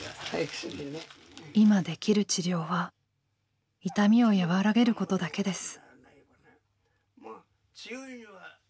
今できる治療は痛みを和らげることだけです。